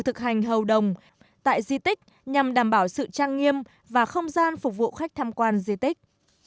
tại di tích nhằm đảm bảo sự trang nghiêm và không gian phục vụ khách tham quan di tích